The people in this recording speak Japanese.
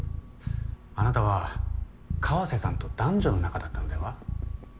あなたは川瀬さんと男女の仲だったのでは？